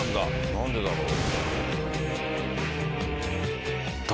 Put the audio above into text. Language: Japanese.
何でだろう？